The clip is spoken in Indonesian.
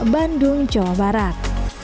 bandung jawa barat